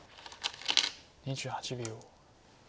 ２８秒。